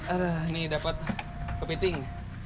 aduh ini dapat kepiting